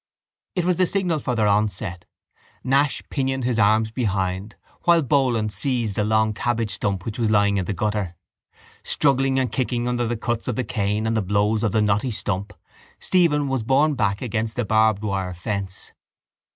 It was the signal for their onset. Nash pinioned his arms behind while Boland seized a long cabbage stump which was lying in the gutter. Struggling and kicking under the cuts of the cane and the blows of the knotty stump Stephen was borne back against a barbed wire fence.